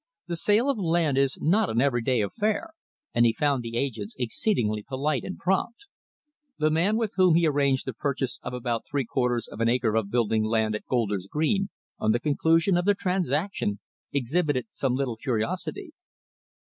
The sale of land is not an everyday affair, and he found the agents exceedingly polite and prompt. The man with whom he arranged the purchase of about three quarters of an acre of building land at Golder's Green, on the conclusion of the transaction exhibited some little curiosity.